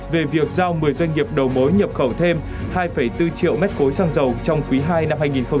về việc giao một mươi doanh nghiệp đầu mối nhập khẩu thêm hai bốn triệu mét khối xăng dầu trong quý ii năm hai nghìn hai mươi